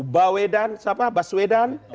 bawedan siapa baswedan